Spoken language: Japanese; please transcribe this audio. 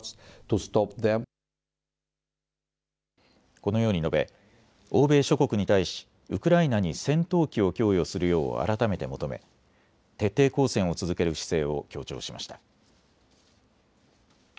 このように述べ、欧米諸国に対しウクライナに戦闘機を供与するよう改めて求め徹底抗戦を続ける姿勢を強調しました。